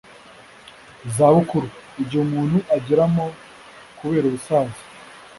izabukuru: igihe umuntu ageramo kubera ubusaza.